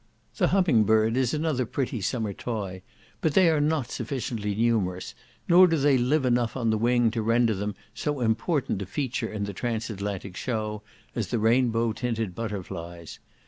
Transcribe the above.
The humming bird is another pretty summer toy; but they are not sufficiently numerous, nor do they live enough on the wing to render them so important a feature in the transatlantic show, as the rainbow tinted butterflies.